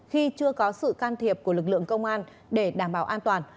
khi chưa có sự can thiệp của lực lượng công an để đảm bảo an toàn